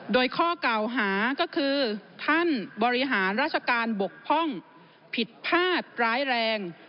โดยข้อเก่าหาก็คือท่านบริหารราชการบกพร่องผิดพลาดร้ายแรง